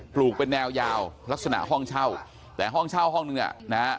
ลูกเป็นแนวยาวลักษณะห้องเช่าแต่ห้องเช่าห้องนึงเนี่ยนะฮะ